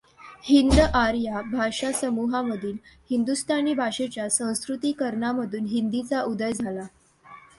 हिंद आर्य भाषासमूहामधील हिंदुस्तानी भाषेच्या संस्कृतीकरणामधून हिंदीचा उदय झाला.